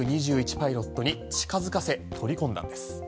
パイロットに近づかせ取り込んだんです。